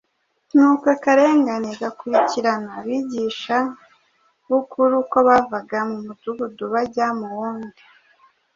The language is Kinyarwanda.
Nuko akarengane gakurikirana abigisha b’ukuri uko bavaga mu mudugudu bajya mu wundi.